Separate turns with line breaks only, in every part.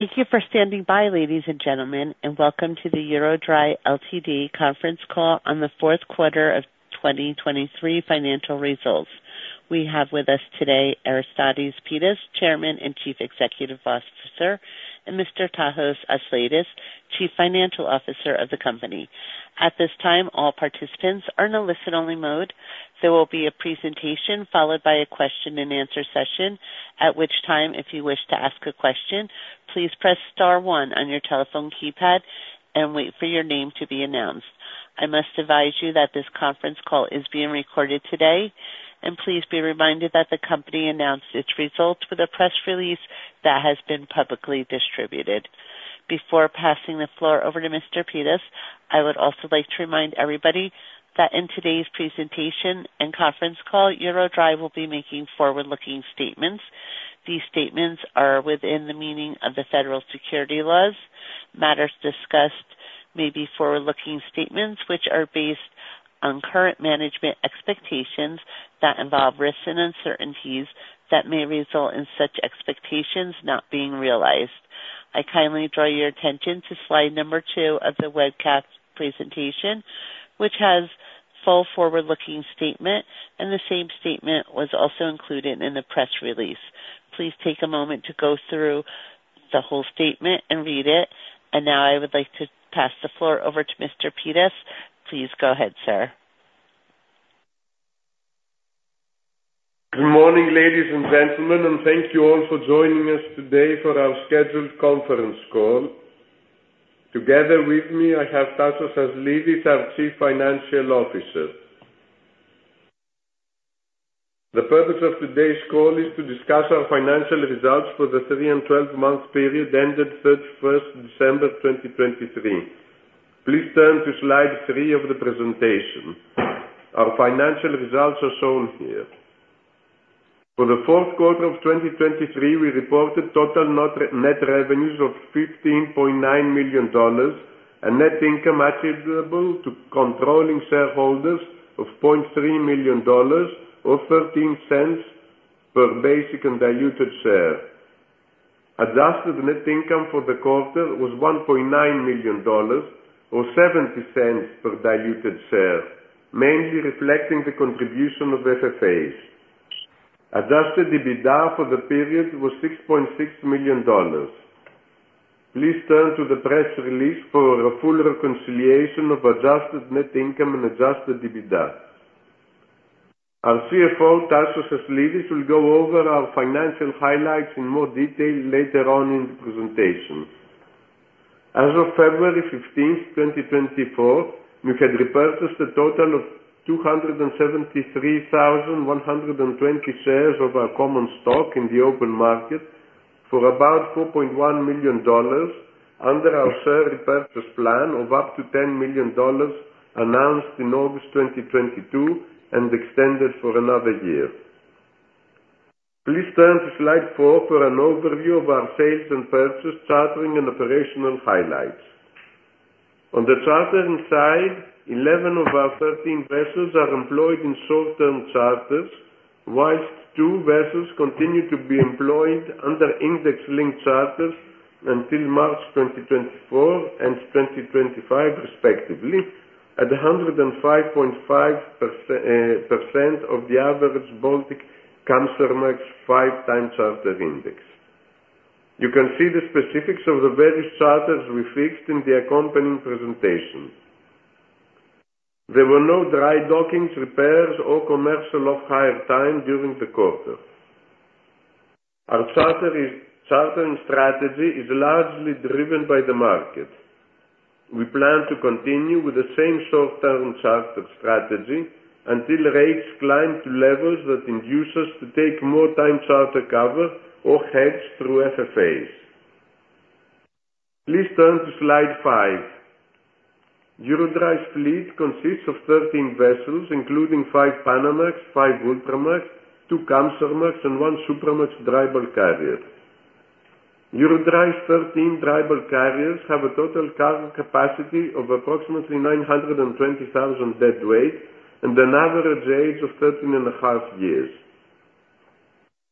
Thank you for standing by, ladies and gentlemen, and welcome to the EuroDry Ltd conference call on the fourth quarter of 2023 financial results. We have with us today, Aristides Pittas, Chairman and Chief Executive Officer, and Mr. Tasos Aslidis, Chief Financial Officer of the company. At this time, all participants are in a listen-only mode. There will be a presentation followed by a question and answer session, at which time, if you wish to ask a question, please press star one on your telephone keypad and wait for your name to be announced. I must advise you that this conference call is being recorded today, and please be reminded that the company announced its results with a press release that has been publicly distributed. Before passing the floor over to Mr. Pittas, I would also like to remind everybody that in today's presentation and conference call, EuroDry will be making forward-looking statements. These statements are within the meaning of the federal securities laws. Matters discussed may be forward-looking statements which are based on current management expectations that involve risks and uncertainties that may result in such expectations not being realized. I kindly draw your attention to slide number 2 of the webcast presentation, which has full forward-looking statement, and the same statement was also included in the press release. Please take a moment to go through the whole statement and read it. Now I would like to pass the floor over to Mr. Pittas. Please go ahead, sir.
Good morning, ladies and gentlemen, and thank you all for joining us today for our scheduled conference call. Together with me, I have Tasos Aslidis, our Chief Financial Officer. The purpose of today's call is to discuss our financial results for the three- and twelve-month period ended 31 December 2023. Please turn to slide 3 of the presentation. Our financial results are shown here. For the fourth quarter of 2023, we reported total net revenues of $15.9 million and net income attributable to controlling shareholders of $0.3 million or $0.13 per basic and diluted share. Adjusted net income for the quarter was $1.9 million or $0.70 per diluted share, mainly reflecting the contribution of FFAs. Adjusted EBITDA for the period was $6.6 million. Please turn to the press release for a full reconciliation of adjusted net income and adjusted EBITDA. Our CFO, Tasos Aslidis, will go over our financial highlights in more detail later on in the presentation. As of February 15th, 2024, we had repurchased a total of 273,120 shares of our common stock in the open market for about $4.1 million under our share repurchase plan of up to $10 million, announced in August 2022 and extended for another year. Please turn to slide four for an overview of our sales and purchase, chartering and operational highlights. On the chartering side, 11 of our 13 vessels are employed in short-term charters, while 2 vessels continue to be employed under index-linked charters until March 2024 and 2025 respectively, at 105.5% of the average Baltic Kamsarmax 5-time charter index. You can see the specifics of the various charters we fixed in the accompanying presentation. There were no dry dockings, repairs or commercial off-hire time during the quarter. Our chartering strategy is largely driven by the market. We plan to continue with the same short-term charter strategy until rates climb to levels that induce us to take more time charter cover or hedge through FFAs. Please turn to slide 5. EuroDry's fleet consists of 13 vessels, including 5 Panamax, 5 Ultramax, 2 Kamsarmax, and 1 Supramax dry bulk carrier. EuroDry's 13 dry bulk carriers have a total cargo capacity of approximately 920,000 deadweight and an average age of 13.5 years.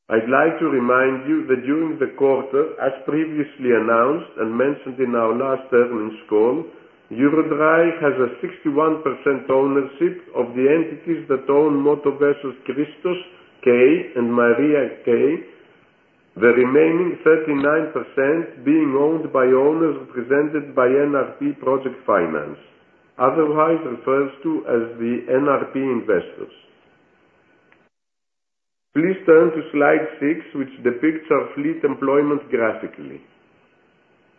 I'd like to remind you that during the quarter, as previously announced and mentioned in our last earnings call, EuroDry has a 61% ownership of the entities that own M/V Christos K and Maria K. The remaining 39% being owned by owners represented by NRP Project Finance, otherwise referred to as the NRP investors. Please turn to slide 6, which depicts our fleet employment graphically.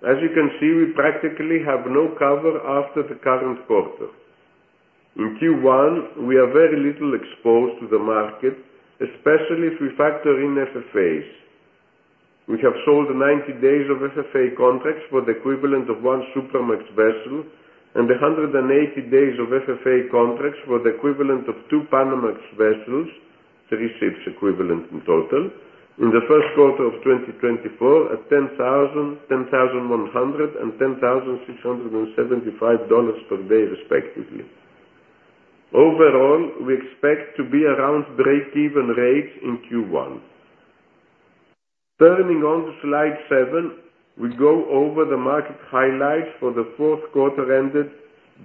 As you can see, we practically have no cover after the current quarter. In Q1, we are very little exposed to the market, especially if we factor in FFAs. We have sold 90 days of FFA contracts for the equivalent of one Supramax vessel and 180 days of FFA contracts for the equivalent of two Panamax vessels, three ships equivalent in total, in the first quarter of 2024 at $10,000, $10,100 and $10,675 per day, respectively. Overall, we expect to be around breakeven rates in Q1. Turning to slide 7, we go over the market highlights for the fourth quarter ended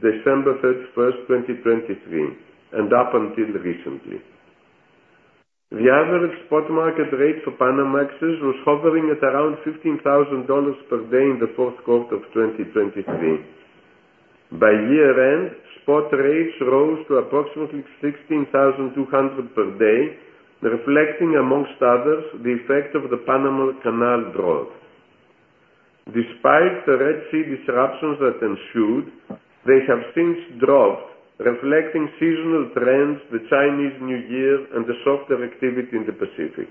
December 31, 2023, and up until recently. The average spot market rate for Panamax was hovering at around $15,000 per day in the fourth quarter of 2023. By year-end, spot rates rose to approximately $16,200 per day, reflecting, among others, the effect of the Panama Canal drought. Despite the Red Sea disruptions that ensued, they have since dropped, reflecting seasonal trends, the Chinese New Year and the softer activity in the Pacific.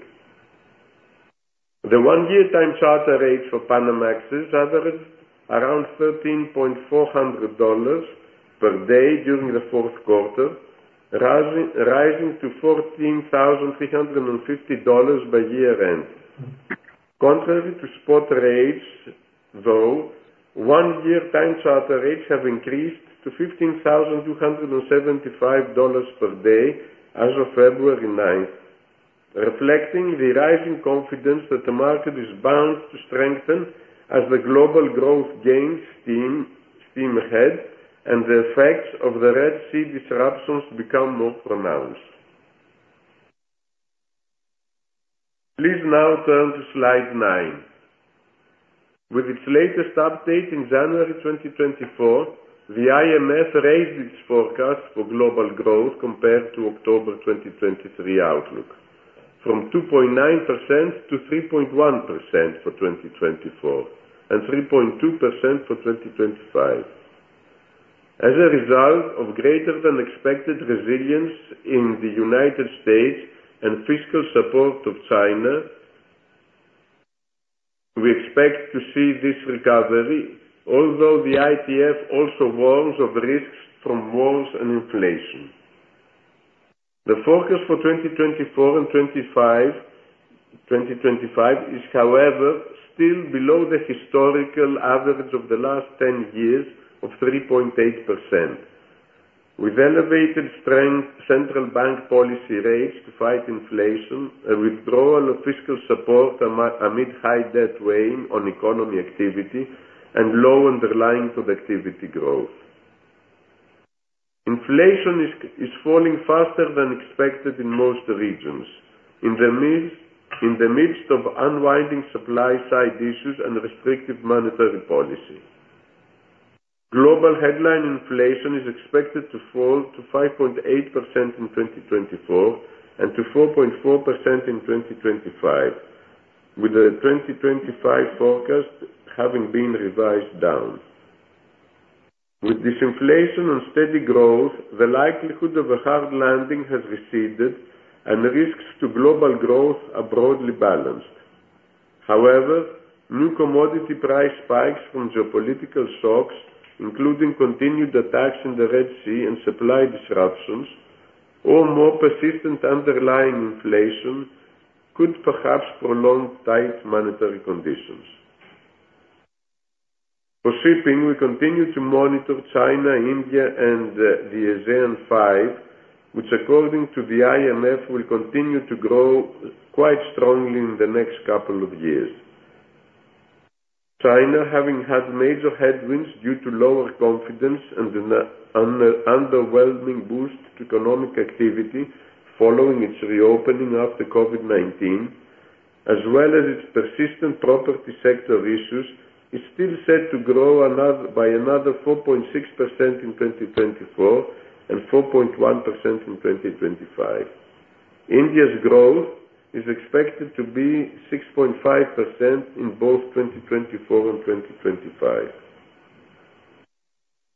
The one-year time charter rate for Panamax averaged around $13,400 per day during the fourth quarter, rising to $14,350 by year-end. Contrary to spot rates, though, one-year time charter rates have increased to $15,275 per day as of February 9, reflecting the rising confidence that the market is bound to strengthen as the global growth gains steam, steam ahead, and the effects of the Red Sea disruptions become more pronounced. Please now turn to slide 9. With its latest update in January 2024, the IMF raised its forecast for global growth compared to October 2023 outlook, from 2.9% to 3.1% for 2024, and 3.2% for 2025. As a result of greater than expected resilience in the United States and fiscal support of China, we expect to see this recovery, although the IMF also warns of risks from wars and inflation. The forecast for 2024 and 2025 is however, still below the historical average of the last 10 years of 3.8%, with elevated strength central bank policy rates to fight inflation, a withdrawal of fiscal support amid high debt weighing on economic activity and low underlying productivity growth. Inflation is falling faster than expected in most regions, in the midst of unwinding supply side issues and restrictive monetary policy. Global headline inflation is expected to fall to 5.8% in 2024, and to 4.4% in 2025, with the 2025 forecast having been revised down. With this inflation on steady growth, the likelihood of a hard landing has receded and the risks to global growth are broadly balanced. However, new commodity price spikes from geopolitical shocks, including continued attacks in the Red Sea and supply disruptions, or more persistent underlying inflation, could perhaps prolong tight monetary conditions. For shipping, we continue to monitor China, India and the ASEAN Five, which, according to the IMF, will continue to grow quite strongly in the next couple of years. China, having had major headwinds due to lower confidence and an underwhelming boost to economic activity following its reopening after COVID-19, as well as its persistent property sector issues, is still set to grow another, by another 4.6% in 2024 and 4.1% in 2025. India's growth is expected to be 6.5% in both 2024 and 2025.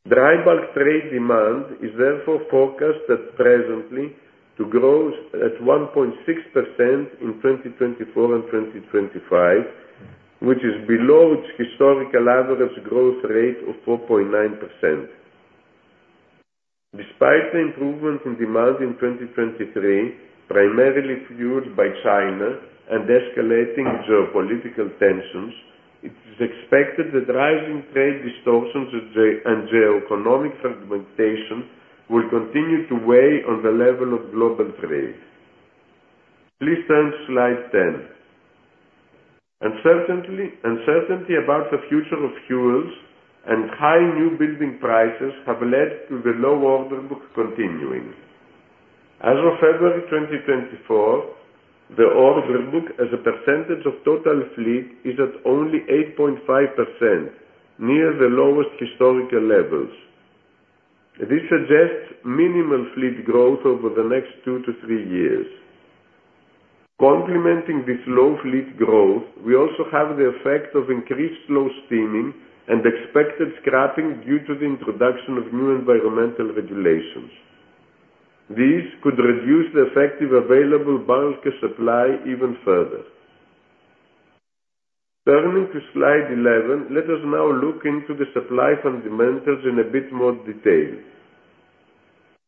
Dry bulk trade demand is therefore forecasted presently to grow at 1.6% in 2024 and 2025, which is below its historical average growth rate of 4.9%. Despite the improvement in demand in 2023, primarily fueled by China and escalating geopolitical tensions, it is expected that rising trade distortions and geoeconomic fragmentation will continue to weigh on the level of global trade. Please turn to slide 10. Uncertainty, uncertainty about the future of fuels and high new building prices have led to the low order book continuing. As of February 2024, the order book as a percentage of total fleet is at only 8.5%, near the lowest historical levels. This suggests minimal fleet growth over the next 2-3 years. Complementing this low fleet growth, we also have the effect of increased slow steaming and expected scrapping due to the introduction of new environmental regulations. These could reduce the effective available bulker supply even further. Turning to slide 11, let us now look into the supply fundamentals in a bit more detail.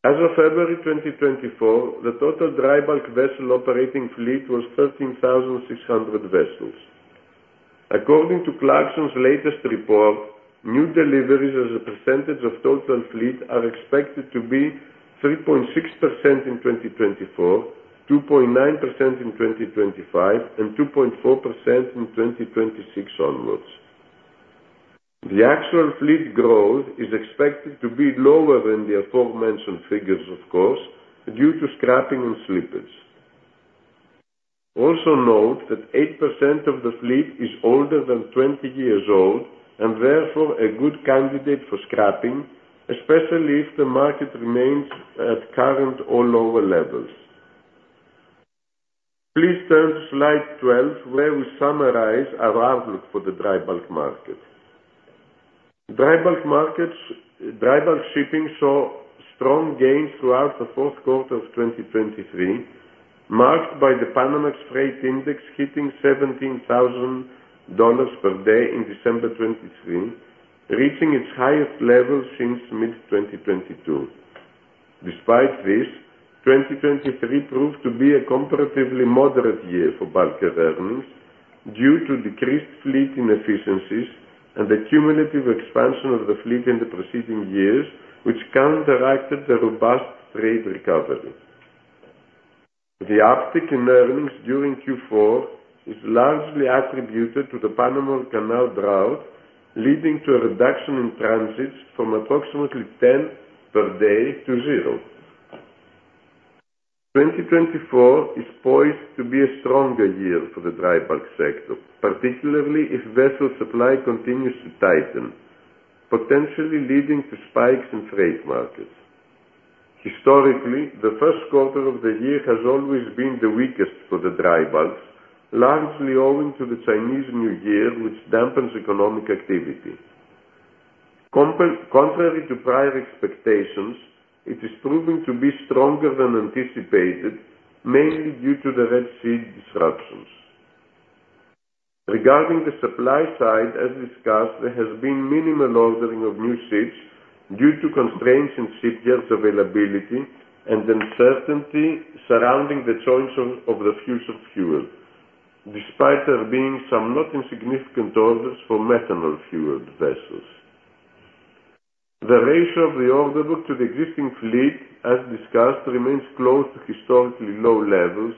As of February 2024, the total dry bulk vessel operating fleet was 13,600 vessels.... According to Clarksons' latest report, new deliveries as a percentage of total fleet are expected to be 3.6% in 2024, 2.9% in 2025, and 2.4% in 2026 onwards. The actual fleet growth is expected to be lower than the aforementioned figures, of course, due to scrapping and slippage. Also note that 8% of the fleet is older than 20 years old, and therefore a good candidate for scrapping, especially if the market remains at current or lower levels. Please turn to slide 12, where we summarize our outlook for the dry bulk market. Dry bulk markets, dry bulk shipping saw strong gains throughout the fourth quarter of 2023, marked by the Panamax rate index, hitting $17,000 per day in December 2023, reaching its highest level since mid-2022. Despite this, 2023 proved to be a comparatively moderate year for bulker earnings due to decreased fleet inefficiencies and the cumulative expansion of the fleet in the preceding years, which counteracted the robust trade recovery. The uptick in earnings during Q4 is largely attributed to the Panama Canal drought, leading to a reduction in transits from approximately 10 per day to zero. 2024 is poised to be a stronger year for the dry bulk sector, particularly if vessel supply continues to tighten, potentially leading to spikes in freight markets. Historically, the first quarter of the year has always been the weakest for the dry bulks, largely owing to the Chinese New Year, which dampens economic activity. Contrary to prior expectations, it is proving to be stronger than anticipated, mainly due to the Red Sea disruptions. Regarding the supply side, as discussed, there has been minimal ordering of new ships due to constraints in shipyards' availability and uncertainty surrounding the choice of the future fuel, despite there being some not insignificant orders for methanol-fueled vessels. The ratio of the order book to the existing fleet, as discussed, remains close to historically low levels,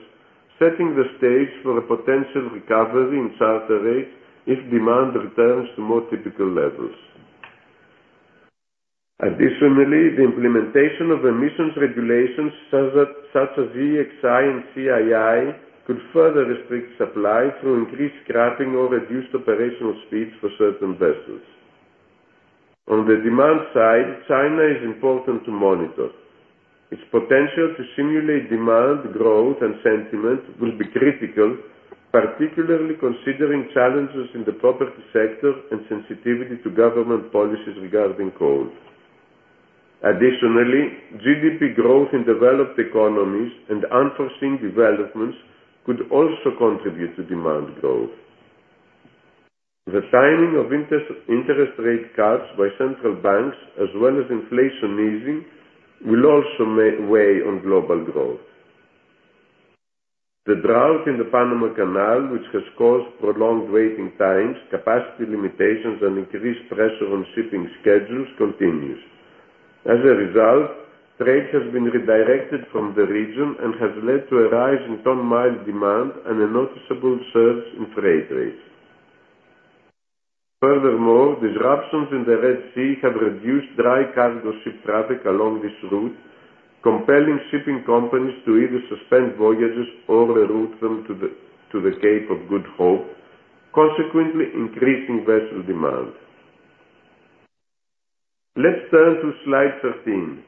setting the stage for a potential recovery in charter rates if demand returns to more typical levels. Additionally, the implementation of emissions regulations such as EEXI and CII could further restrict supply through increased scrapping or reduced operational speeds for certain vessels. On the demand side, China is important to monitor. Its potential to stimulate demand, growth, and sentiment will be critical, particularly considering challenges in the property sector and sensitivity to government policies regarding coal. Additionally, GDP growth in developed economies and unforeseen developments could also contribute to demand growth. The timing of interest rate cuts by central banks, as well as inflation easing, will also weigh on global growth. The drought in the Panama Canal, which has caused prolonged waiting times, capacity limitations, and increased pressure on shipping schedules, continues. As a result, trade has been redirected from the region and has led to a rise in ton-mile demand and a noticeable surge in freight rates. Furthermore, disruptions in the Red Sea have reduced dry cargo ship traffic along this route, compelling shipping companies to either suspend voyages or reroute them to the Cape of Good Hope, consequently increasing vessel demand. Let's turn to slide 13.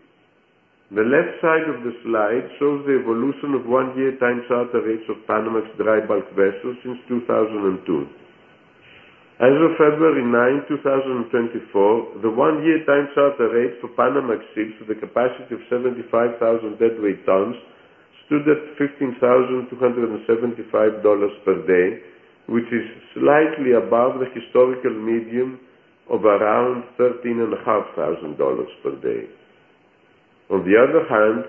The left side of the slide shows the evolution of one-year time charter rates of Panamax dry bulk vessels since 2002. As of February 9, 2024, the one-year time charter rate for Panamax ships with a capacity of 75,000 deadweight tons stood at $15,275 per day, which is slightly above the historical median of around $13,500 per day. On the other hand,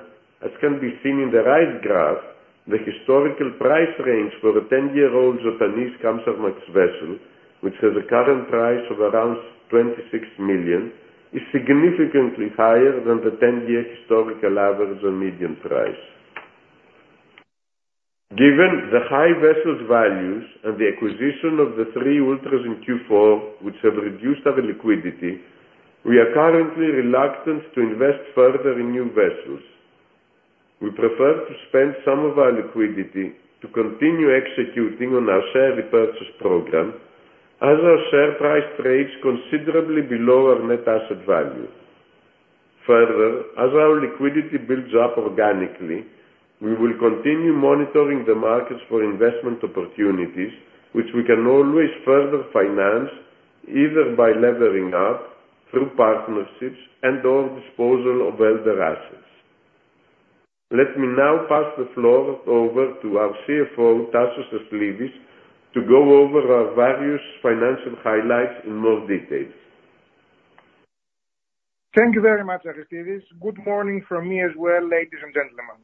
as can be seen in the right graph, the historical price range for a 10-year-old Japanese Kamsarmax vessel, which has a current price of around $26 million, is significantly higher than the 10-year historical average and median price. Given the high vessel values and the acquisition of the 3 Ultras in Q4, which have reduced our liquidity, we are currently reluctant to invest further in new vessels. We prefer to spend some of our liquidity to continue executing on our share repurchase program, as our share price trades considerably below our net asset value. Further, as our liquidity builds up organically, we will continue monitoring the markets for investment opportunities, which we can always further finance, either by levering up through partnerships and/or disposal of older assets. Let me now pass the floor over to our CFO, Tasos Aslidis, to go over our various financial highlights in more details.
...Thank you very much, Aristides. Good morning from me as well, ladies and gentlemen.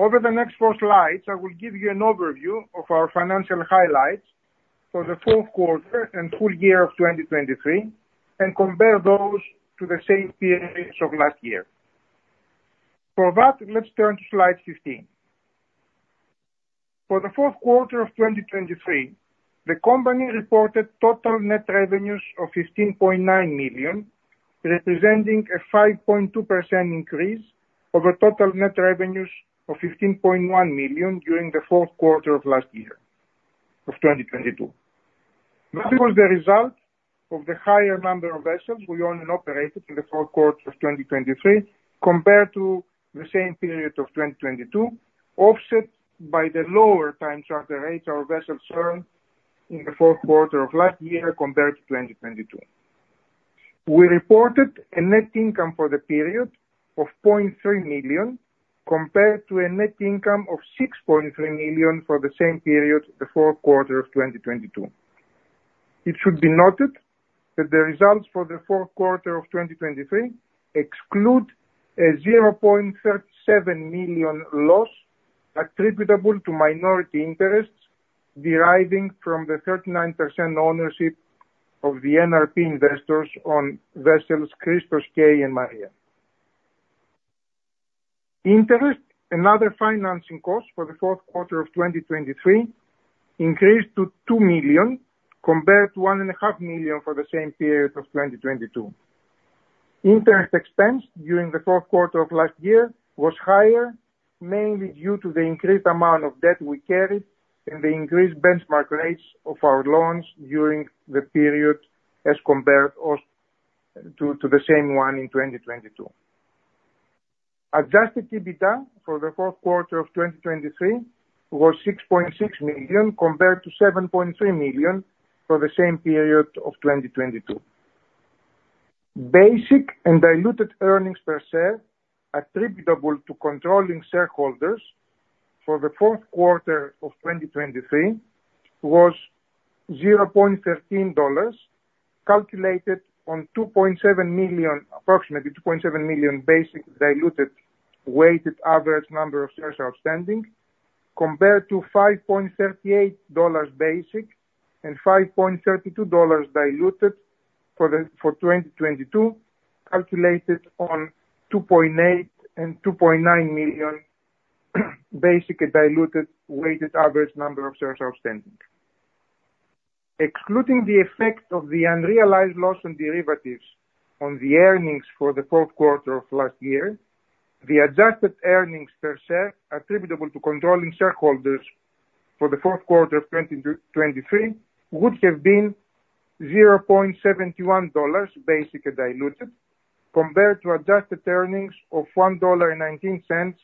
Over the next 4 slides, I will give you an overview of our financial highlights for the fourth quarter and full year of 2023, and compare those to the same periods of last year. For that, let's turn to slide 15. For the fourth quarter of 2023, the company reported total net revenues of $15.9 million, representing a 5.2% increase over total net revenues of $15.1 million during the fourth quarter of last year, of 2022. This was the result of the higher number of vessels we owned and operated in the fourth quarter of 2023, compared to the same period of 2022, offset by the lower time charter rates our vessels earned in the fourth quarter of last year compared to 2022. We reported a net income for the period of $0.3 million, compared to a net income of $6.3 million for the same period, the fourth quarter of 2022. It should be noted that the results for the fourth quarter of 2023 exclude a $0.37 million loss attributable to minority interests deriving from the 39% ownership of the NRP investors on vessels Christos K. and Maria. Interest and other financing costs for the fourth quarter of 2023 increased to $2 million, compared to $1.5 million for the same period of 2022. Interest expense during the fourth quarter of last year was higher, mainly due to the increased amount of debt we carried and the increased benchmark rates of our loans during the period as compared to the same one in 2022. Adjusted EBITDA for the fourth quarter of 2023 was $6.6 million, compared to $7.3 million for the same period of 2022. Basic and diluted earnings per share attributable to controlling shareholders for the fourth quarter of 2023 was $0.13, calculated on 2.7 million, approximately 2.7 million basic diluted weighted average number of shares outstanding, compared to $5.38 basic and $5.32 diluted for 2022, calculated on 2.8 and 2.9 million basic diluted weighted average number of shares outstanding. Excluding the effect of the unrealized loss on derivatives on the earnings for the fourth quarter of last year, the adjusted earnings per share attributable to controlling shareholders for the fourth quarter of 2023 would have been $0.71 basic and diluted, compared to adjusted earnings of $1.19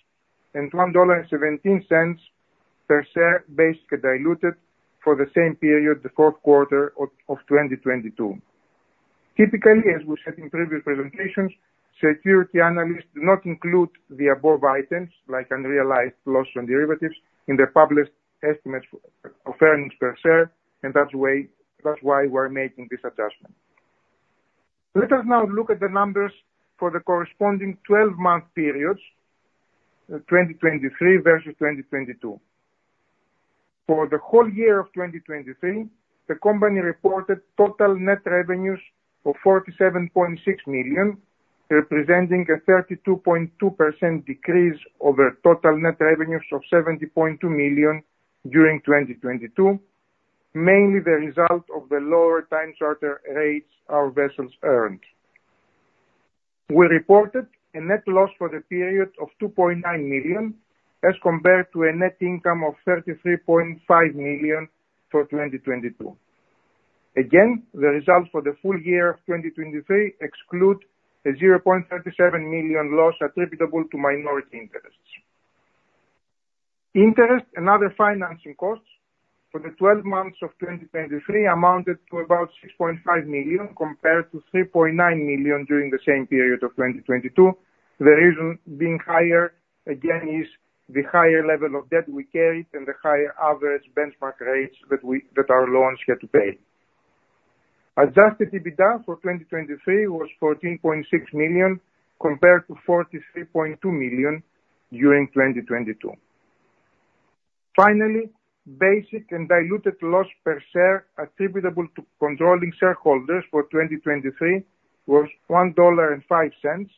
and $1.17 per share, basic and diluted for the same period, the fourth quarter of 2022. Typically, as we said in previous presentations, security analysts do not include the above items, like unrealized loss on derivatives, in their published estimates of earnings per share, and that's why we're making this adjustment. Let us now look at the numbers for the corresponding twelve-month periods, 2023 versus 2022. For the whole year of 2023, the company reported total net revenues of $47.6 million, representing a 32.2% decrease over total net revenues of $70.2 million during 2022, mainly the result of the lower time charter rates our vessels earned. We reported a net loss for the period of $2.9 million, as compared to a net income of $33.5 million for 2022. Again, the results for the full year of 2023 exclude a $0.37 million loss attributable to minority interests. Interest and other financing costs for the twelve months of 2023 amounted to about $6.5 million, compared to $3.9 million during the same period of 2022. The reason being higher, again, is the higher level of debt we carried and the higher average benchmark rates that our loans had to pay. Adjusted EBITDA for 2023 was $14.6 million, compared to $43.2 million during 2022. Finally, basic and diluted loss per share attributable to controlling shareholders for 2023 was $1.05,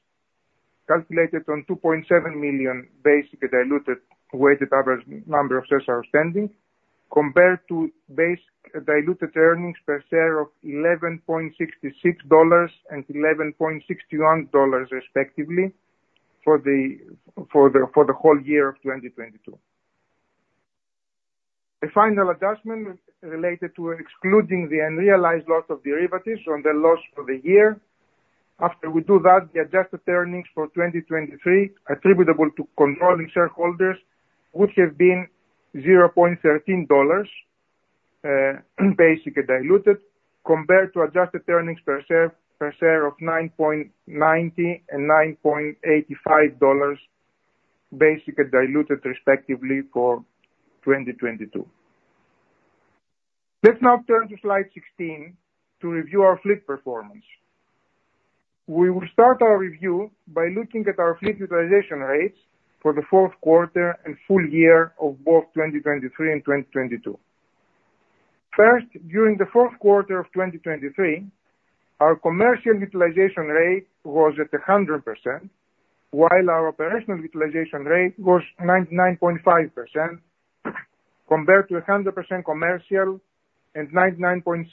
calculated on 2.7 million basic diluted weighted average number of shares outstanding, compared to basic diluted earnings per share of $11.66 and $11.61, respectively, for the whole year of 2022. The final adjustment related to excluding the unrealized loss of derivatives on the loss for the year. After we do that, the adjusted earnings for 2023 attributable to controlling shareholders would have been $0.13, basic and diluted, compared to adjusted earnings per share, per share of $9.90 and $9.85, basic and diluted, respectively, for 2022. Let's now turn to slide 16 to review our fleet performance. We will start our review by looking at our fleet utilization rates for the fourth quarter and full year of both 2023 and 2022. First, during the fourth quarter of 2023, our commercial utilization rate was at 100%, while our operational utilization rate was 99.5%, compared to 100% commercial and 99.7%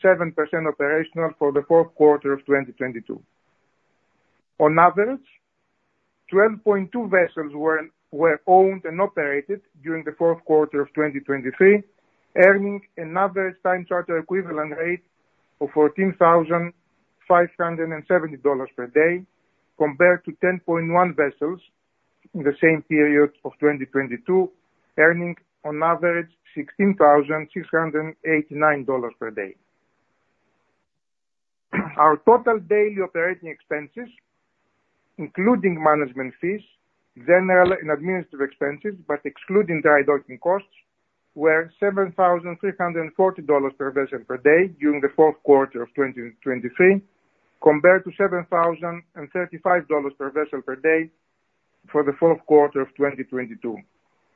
operational for the fourth quarter of 2022. On average, 12.2 vessels were owned and operated during the fourth quarter of 2023, earning an average time charter equivalent rate of $14,570 per day, compared to 10.1 vessels in the same period of 2022, earning on average $16,689 per day. Our total daily operating expenses, including management fees, general and administrative expenses, but excluding dry docking costs, were $7,340 per vessel per day during the fourth quarter of 2023, compared to $7,035 per vessel per day for the fourth quarter of 2022.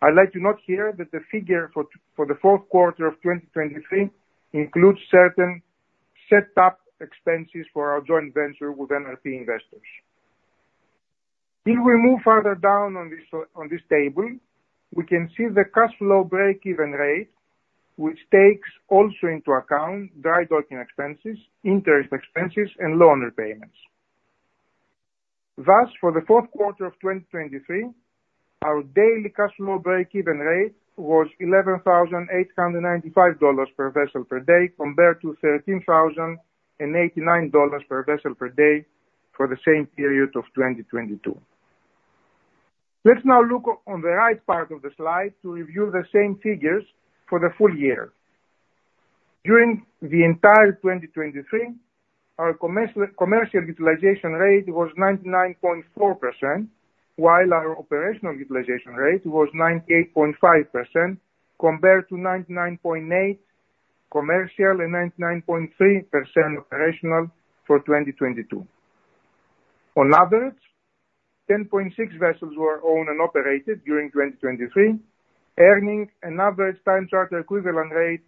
I'd like to note here that the figure for the fourth quarter of 2023 includes certain set up expenses for our joint venture with NRP Investors. If we move further down on this, on this table, we can see the cash flow break-even rate, which takes also into account dry docking expenses, interest expenses and loan repayments. Thus, for the fourth quarter of 2023, our daily cash flow break-even rate was $11,895 per vessel per day, compared to $13,089 per vessel per day for the same period of 2022. Let's now look on the right part of the slide to review the same figures for the full year. During the entire 2023, our commercial utilization rate was 99.4%, while our operational utilization rate was 98.5%, compared to 99.8% commercial and 99.3% operational for 2022. On average, 10.6 vessels were owned and operated during 2023, earning an average time charter equivalent rate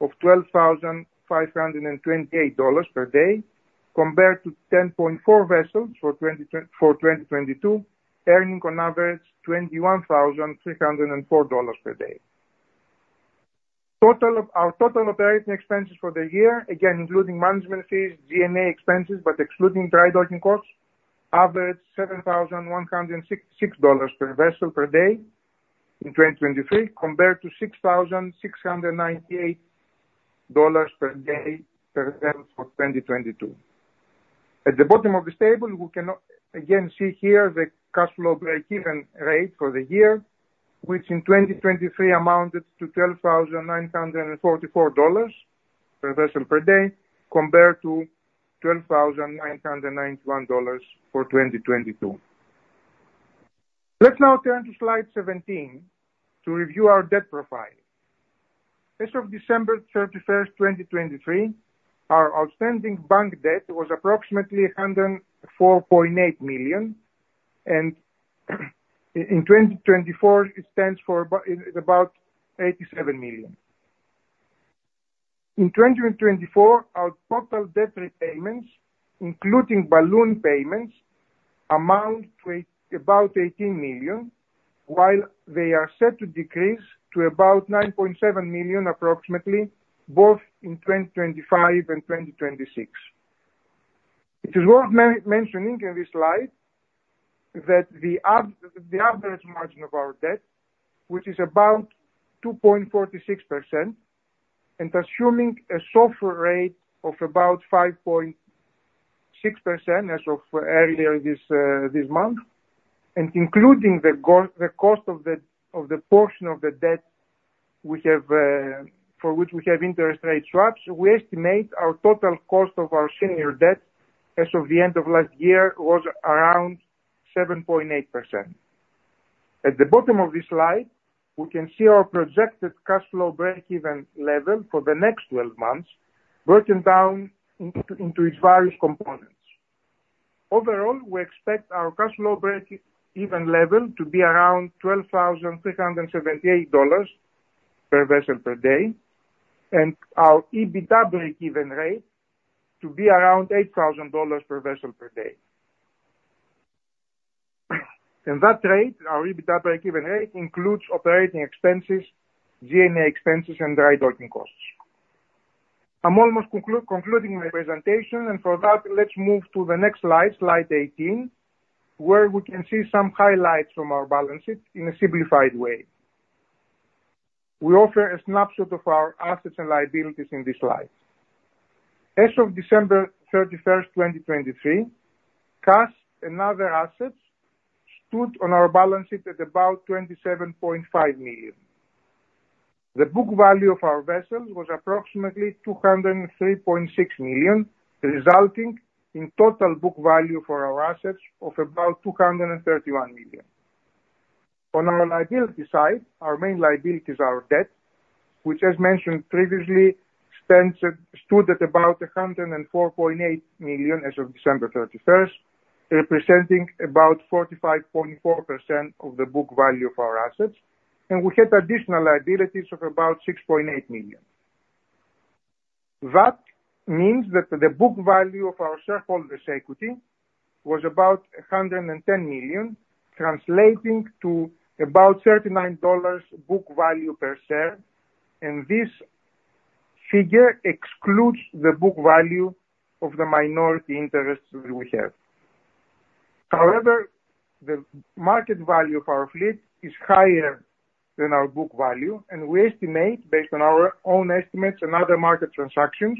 of $12,528 per day, compared to 10.4 vessels for 2022, earning on average $21,304 per day. Our total operating expenses for the year, again including management fees, G&A expenses, but excluding dry docking costs, averaged $7,166 per vessel per day in 2023, compared to $6,698 per day per vessel for 2022. At the bottom of this table, we can again see here the cash flow break-even rate for the year, which in 2023 amounted to $12,944 per vessel per day, compared to $12,991 for 2022. Let's now turn to slide 17 to review our debt profile. As of December 31st, 2023, our outstanding bank debt was approximately $104.8 million, and in 2024, it stands for about $87 million. In 2024, our total debt repayments, including balloon payments, amount to about $18 million, while they are set to decrease to about $9.7 million approximately, both in 2025 and 2026. It is worth mentioning in this slide, that the average margin of our debt, which is about 2.46%, and assuming a SOFR rate of about 5.6% as of earlier this month, and including the cost of the portion of the debt we have for which we have interest rate swaps, we estimate our total cost of our senior debt as of the end of last year was around 7.8%. At the bottom of this slide, we can see our projected cash flow break-even level for the next 12 months, broken down into its various components. Overall, we expect our cash flow break even level to be around $12,378 per vessel per day, and our EBITDA break-even rate to be around $8,000 per vessel per day. And that rate, our EBITDA break-even rate, includes operating expenses, G&A expenses, and dry docking costs. I'm almost concluding my presentation, and for that, let's move to the next slide, slide 18, where we can see some highlights from our balance sheet in a simplified way. We offer a snapshot of our assets and liabilities in this slide. As of December 31st, 2023, cash and other assets stood on our balance sheet at about $27.5 million. The book value of our vessels was approximately $203.6 million, resulting in total book value for our assets of about $231 million. On our liability side, our main liabilities are our debt, which as mentioned previously, stands at, stood at about $104.8 million as of December 31st, representing about 45.4% of the book value of our assets, and we had additional liabilities of about $6.8 million. That means that the book value of our shareholders' equity was about $110 million, translating to about $39 book value per share, and this figure excludes the book value of the minority interests that we have. However, the market value of our fleet is higher than our book value, and we estimate, based on our own estimates and other market transactions,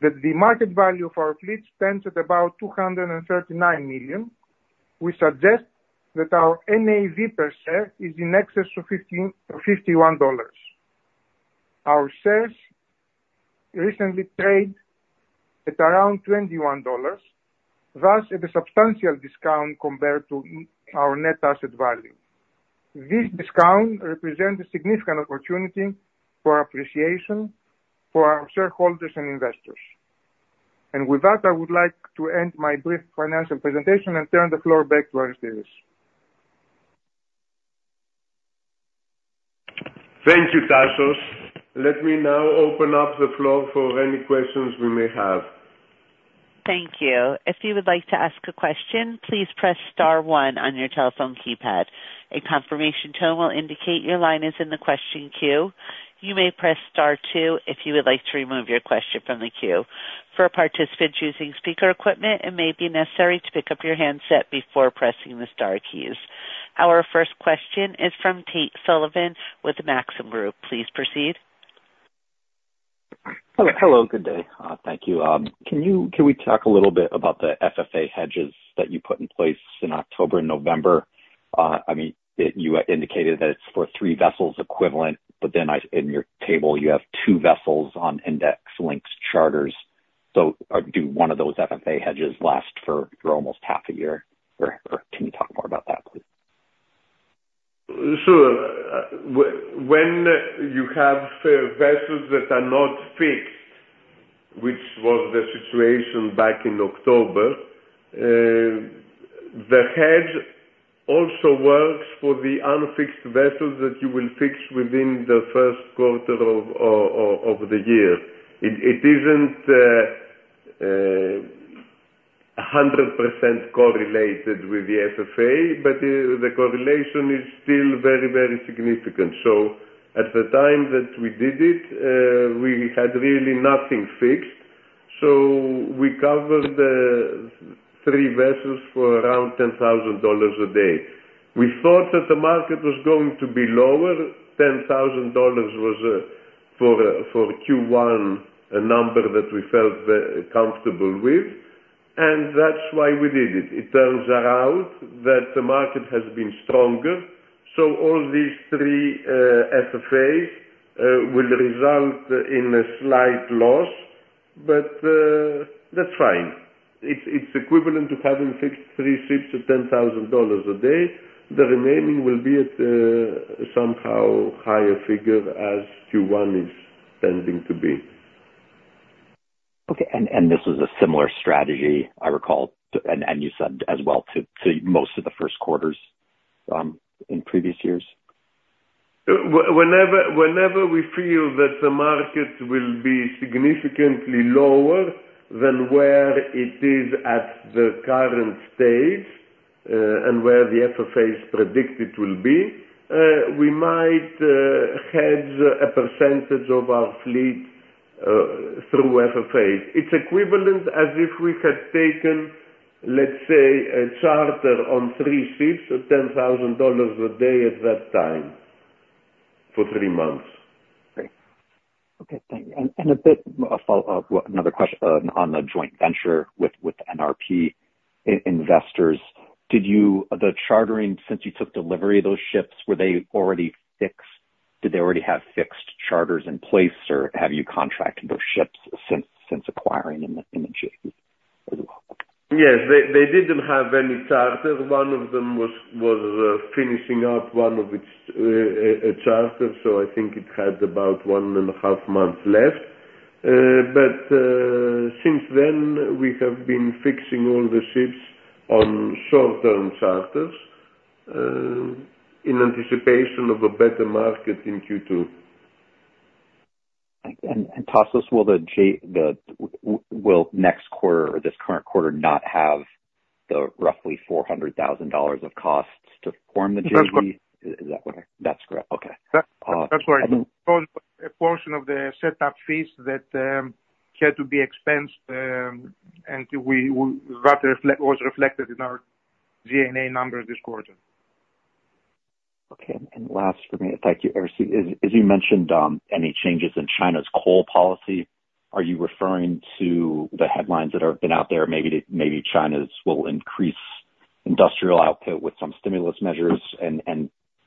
that the market value of our fleet stands at about $239 million. We suggest that our NAV per share is in excess of $15.51. Our shares recently trade at around $21, thus at a substantial discount compared to our net asset value. This discount represent a significant opportunity for appreciation for our shareholders and investors. And with that, I would like to end my brief financial presentation and turn the floor back to Aristides.
Thank you, Tasos. Let me now open up the floor for any questions we may have.
Thank you. If you would like to ask a question, please press star one on your telephone keypad. A confirmation tone will indicate your line is in the question queue. You may press star two if you would like to remove your question from the queue. For participants using speaker equipment, it may be necessary to pick up your handset before pressing the star keys. Our first question is from Tate Sullivan with the Maxim Group. Please proceed.
Hello, hello. Good day. Thank you. Can we talk a little bit about the FFA hedges that you put in place in October and November? I mean, you indicated that it's for three vessels equivalent, but then, in your table, you have two vessels on index-linked charters. So, do one of those FFA hedges last for almost half a year? Or can you talk more about that, please?
Sure. When you have vessels that are not fixed, which was the situation back in October, the hedge also works for the unfixed vessels that you will fix within the first quarter of the year. It isn't 100% correlated with the FFA, but the correlation is still very, very significant. So at the time that we did it, we had really nothing fixed, so we covered three vessels for around $10,000 a day. We thought that the market was going to be lower. $10,000 was for Q1 a number that we felt comfortable with, and that's why we did it. It turns out that the market has been stronger, so all these three FFAs will result in a slight loss, but that's fine. It's, it's equivalent to having fixed three ships at $10,000 a day. The remaining will be at somehow higher figure as Q1 is tending to be.
Okay, and, and this was a similar strategy, I recall, to... And, and you said as well to, to most of the first quarters, in previous years?
Whenever we feel that the market will be significantly lower than where it is at the current stage, and where the FFAs predict it will be, we might hedge a percentage of our fleet through FFAs. It's equivalent as if we had taken, let's say, a charter on three ships at $10,000 a day at that time, for three months.
Great. Okay, thank you. And a bit of follow-up, another question on the joint venture with NRP investors. Did you... The chartering, since you took delivery of those ships, were they already fixed? Did they already have fixed charters in place, or have you contracted those ships since acquiring them and the ships as well?
Yes, they, they didn't have any charter. One of them was finishing up one of its charter, so I think it had about one and a half months left. But, since then, we have been fixing all the ships on short-term charters, in anticipation of a better market in Q2.
Tasos, will next quarter or this current quarter not have the roughly $400,000 of costs to form the JV?
That's correct.
Is that correct? That's correct. Okay.
That's, that's right. A portion of the setup fees that had to be expensed and that was reflected in our G&A numbers this quarter.
Okay. And last for me, thank you. As you mentioned, any changes in China's coal policy, are you referring to the headlines that are been out there, maybe, maybe China's will increase industrial output with some stimulus measures? And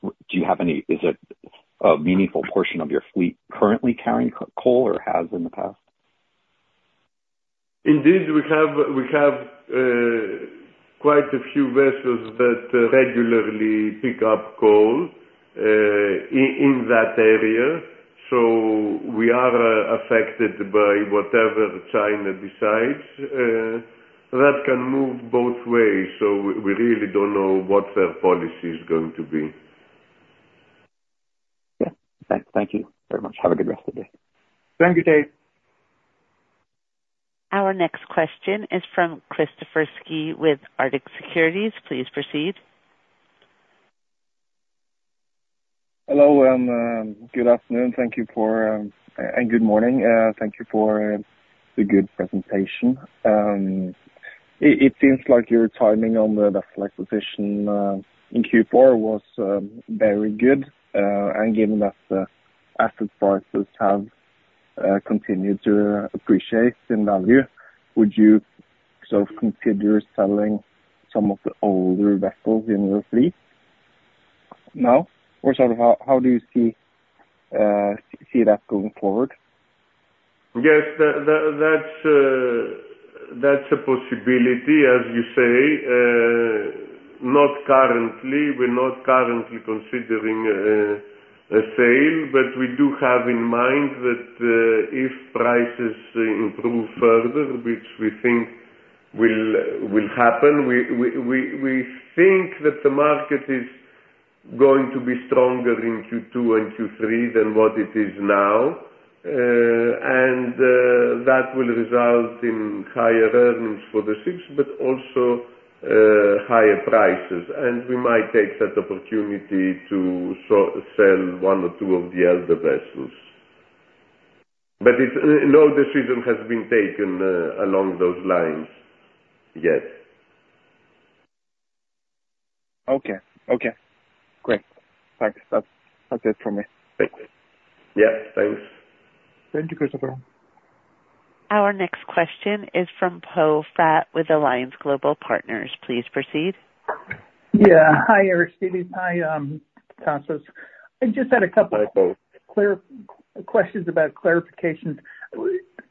do you have any, is it a meaningful portion of your fleet currently carrying coal or has in the past?...
Indeed, we have quite a few vessels that regularly pick up coal in that area, so we are affected by whatever China decides. That can move both ways, so we really don't know what their policy is going to be.
Yeah. Thank you very much. Have a good rest of the day.
Thank you, Tate.
Our next question is from Kristoffer Skeie with Arctic Securities. Please proceed.
Hello, and good afternoon. Thank you for and good morning. Thank you for the good presentation. It seems like your timing on the vessel acquisition in Q4 was very good. And given that the asset prices have continued to appreciate in value, would you sort of consider selling some of the older vessels in your fleet now, or sort of how do you see that going forward?
Yes, that's a possibility, as you say. Not currently. We're not currently considering a sale, but we do have in mind that if prices improve further, which we think will happen, we think that the market is going to be stronger in Q2 and Q3 than what it is now. That will result in higher earnings for the ships, but also higher prices. We might take that opportunity to sell one or two of the older vessels. No decision has been taken along those lines yet.
Okay. Okay, great. Thanks. That's, that's it for me. Thank you.
Yeah, thanks.
Thank you, Kristoffer.
Our next question is from Poe Fratt with Alliance Global Partners. Please proceed.
Yeah. Hi, Aristides. Hi, Tasos. I just had a couple-
Hi, Poe.
Clear questions about clarifications.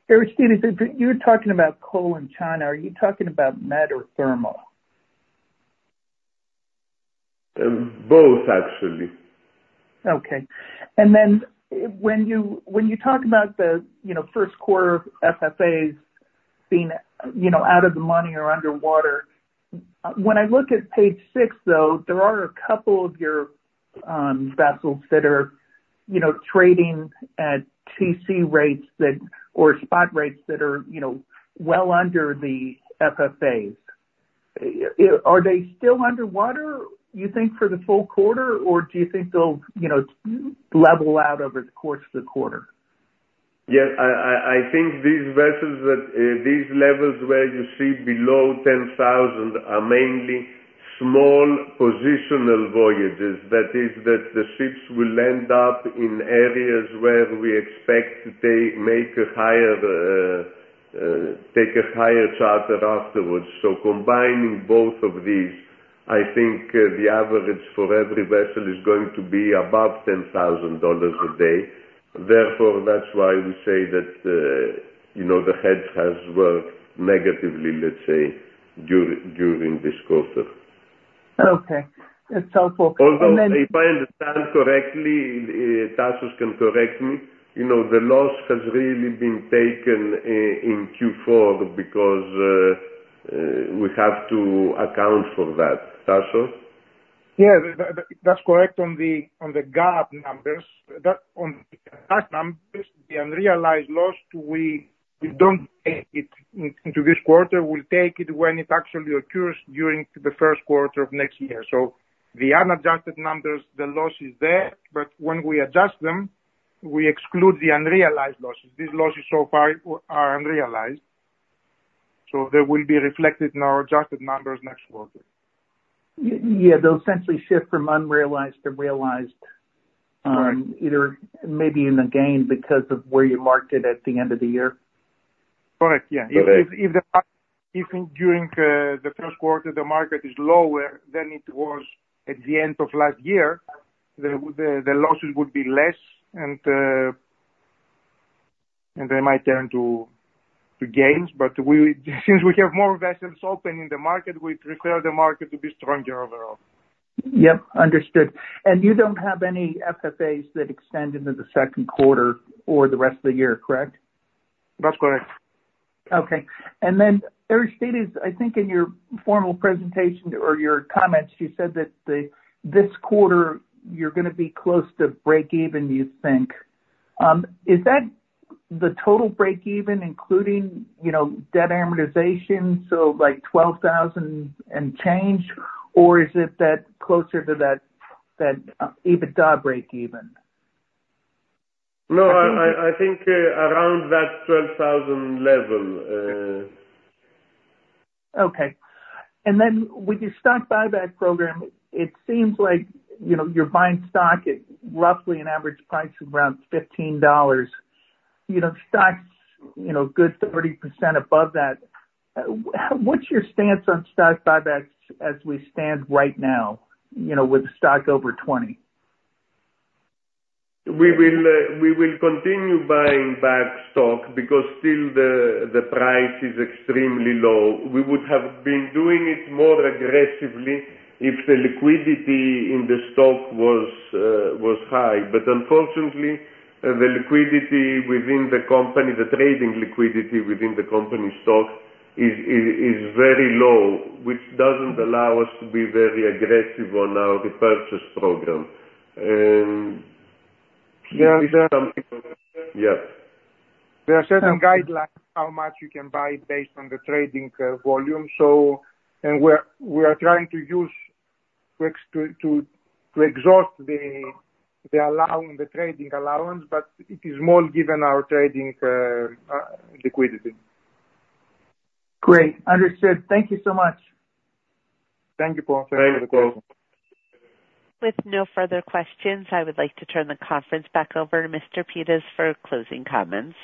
Aristides, when you were talking about coal in China, are you talking about met or thermal?
Both, actually.
Okay. And then when you talk about the, you know, first quarter FFAs being, you know, out of the money or underwater, when I look at page six, though, there are a couple of your vessels that are, you know, trading at TC rates that or spot rates that are, you know, well under the FFAs. Are they still underwater, you think, for the full quarter, or do you think they'll, you know, level out over the course of the quarter?
Yes, I think these vessels that these levels where you see below 10,000 are mainly small positional voyages. That is, that the ships will end up in areas where we expect they make a higher take a higher charter afterwards. So combining both of these, I think the average for every vessel is going to be above $10,000 a day. Therefore, that's why we say that, you know, the hedge has worked negatively, let's say, during this quarter.
Okay. That's helpful. And then-
Although, if I understand correctly, Tasos can correct me, you know, the loss has really been taken in Q4 because we have to account for that. Tasos?
Yeah, that's correct on the GAAP numbers. On the GAAP numbers, the unrealized loss, we don't take it into this quarter. We'll take it when it actually occurs during the first quarter of next year. So the unadjusted numbers, the loss is there, but when we adjust them, we exclude the unrealized losses. These losses so far are unrealized, so they will be reflected in our adjusted numbers next quarter.
Yeah, they'll essentially shift from unrealized to realized-
Right.
Either maybe in the gain because of where you marked it at the end of the year?
Correct. Yeah. If during the first quarter, the market is lower than it was at the end of last year, the losses would be less and they might turn to gains. But we since we have more vessels open in the market, we require the market to be stronger overall.
Yep, understood. And you don't have any FFAs that extend into the second quarter or the rest of the year, correct?
That's correct.
Okay. And then, Aristides, I think in your formal presentation or your comments, you said that the, this quarter, you're gonna be close to breakeven, you think. Is that the total breakeven, including, you know, debt amortization, so like $12,000 and change, or is it that closer to that EBITDA breakeven?
No, I think around that 12,000 level-
Okay. And then with your stock buyback program, it seems like, you know, you're buying stock at roughly an average price of around $15. You know, stock's, you know, a good 30% above that. What's your stance on stock buybacks as we stand right now, you know, with the stock over $20?
We will continue buying back stock because still the price is extremely low. We would have been doing it more aggressively if the liquidity in the stock was high, but unfortunately, the liquidity within the company, the trading liquidity within the company's stock is very low, which doesn't allow us to be very aggressive on our repurchase program. And-
Yeah.
Yes.
There are certain guidelines how much you can buy based on the trading volume. We are trying to use tricks to exhaust the allowance, the trading allowance, but it is small, given our trading liquidity.
Great. Understood. Thank you so much.
Thank you, Poe.
Thank you, Poe.
With no further questions, I would like to turn the conference back over to Mr. Pittas for closing comments.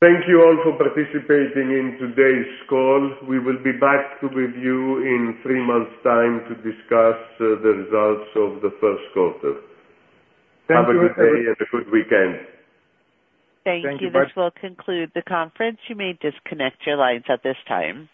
Thank you all for participating in today's call. We will be back with you in three months' time to discuss the results of the first quarter.
Thank you.
Have a good weekend.
Thank you.
Thank you.
This will conclude the conference. You may disconnect your lines at this time.